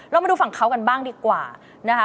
เรามาดูฝั่งเขากันบ้างดีกว่านะคะ